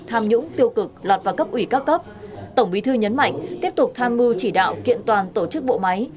tham nhũng tiêu cực lọt vào cấp ủy các cấp tổng bí thư nhấn mạnh tiếp tục tham mưu chỉ đạo kiện toàn tổ chức bộ máy